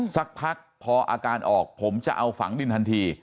สักพักพออาการออกผมจะเอาฝังดินทันที